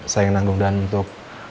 saya yang nanggung dan untuk